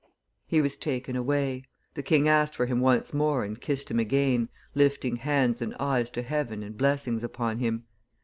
He was taken away; the king asked for him once more and kissed him again, lifting hands and eyes to Heaven in blessings upon him.